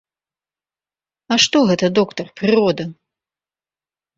А што гэта, доктар, прырода?